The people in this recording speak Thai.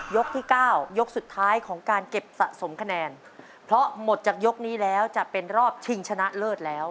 ที่เก้ายกสุดท้ายของการเก็บสะสมคะแนนเพราะหมดจากยกนี้แล้วจะเป็นรอบชิงชนะเลิศแล้ว